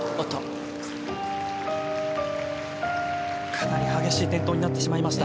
かなり激しい転倒になってしまいました。